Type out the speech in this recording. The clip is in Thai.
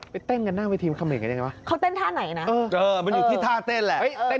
ไปเต้นหน้าเวทีคำเม่นกันยังไงวะ